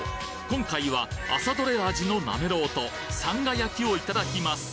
今回は「朝獲れアジのなめろう」と「さんが焼き」をいただきます